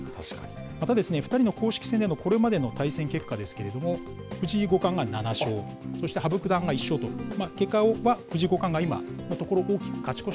また２人の公式戦でのこれまでの対戦結果ですけれども、藤井五冠が７勝、そして羽生九段が１勝と、結果は藤井五冠が今のところ大き